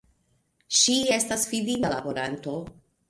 Ŝi estas fidinda laboranto.